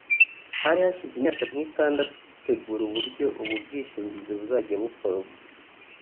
Hari hashize imyaka nk’itandatu dutegura uburyo ubu bwishingizi buzajya bukorwa